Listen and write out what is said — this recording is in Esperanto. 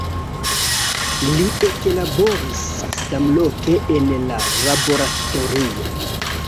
Li eklaboris samloke en la laboratorio.